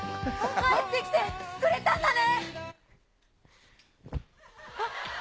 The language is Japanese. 帰ってきてくれたんだね。